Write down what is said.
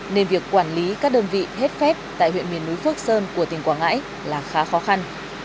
nên việc quản lý các đơn vị hết phép tại huyện miền núi phước sơn của tỉnh quảng ngãi là khá khó khăn